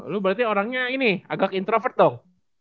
lu berarti orangnya ini agak introvert dong